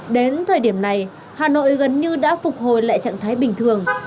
đến thời điểm này hà nội gần như đã phục hồi lại trạng thái bình thường